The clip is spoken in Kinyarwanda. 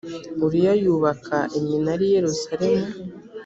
uriya yubaka iminara i yerusalemu